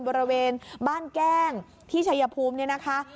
บริเวณบ้านแก้งที่ชัยภูมิเนี่ยนะคะ